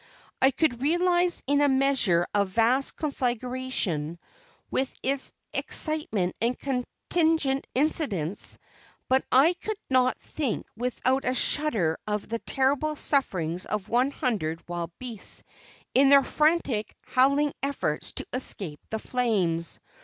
I could realize in a measure a vast conflagration, with its excitement and contingent incidents, but I could not think without a shudder of the terrible sufferings of one hundred wild beasts, in their frantic, howling efforts to escape the flames.